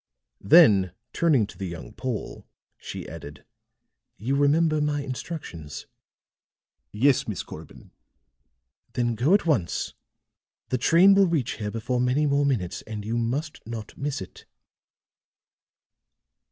Then turning to the young Pole, she added, "You remember my instructions?" "Yes, Miss Corbin." "Then go at once; the train will reach here before many more minutes, and you must not miss it."